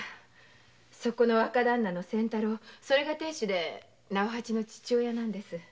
そこの若旦那の仙太郎が亭主で直八の父親なんです。